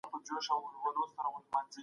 پوهان به بحث کاوه.